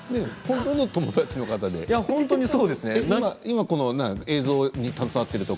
友達の方で今映像に携わっているとか。